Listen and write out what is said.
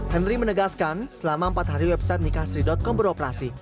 henry menegaskan selama empat hari website nikahsiri com beroperasi